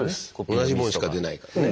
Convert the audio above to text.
同じもんしか出ないからね。